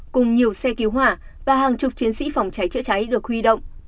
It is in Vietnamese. cùng nhiều xe cứu hỏa và hàng chục chiến sĩ phòng cháy chữa cháy được huy động